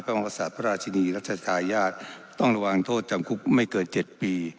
ภรรยาชินีรัฐชาญญาติต้องระวังโทษจำคุกไม่เกิน๗ปี